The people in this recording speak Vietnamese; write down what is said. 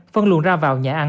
phân luồn ra vào nhà ăn